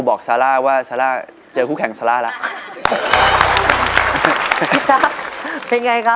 เพราะว่าเพราะว่าเพราะว่าเพราะ